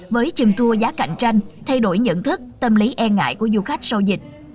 với chìm tour giá cạnh tranh thay đổi nhận thức tâm lý e ngại của du khách sau dịch